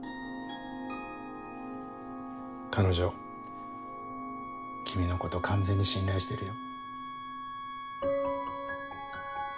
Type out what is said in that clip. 彼女君のこと完全に信頼してるよ。